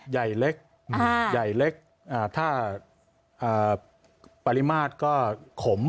ใหญ่เล็กใหญ่เล็กถ้าปริมาตรก็ขม